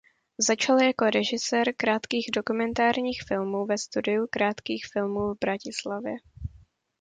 Začal jako režisér krátkých dokumentárních filmů ve Studiu krátkých filmů v Bratislavě.